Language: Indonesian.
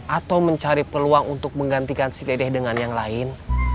atau mencari peluang untuk menggantikan si dedeh dengan yang lain